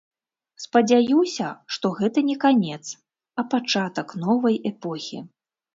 Спадзяюся, што гэта не канец, а пачатак новай эпохі.